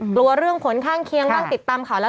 กลัวเรื่องผลข้างเคียงบ้างติดตามข่าวแล้ว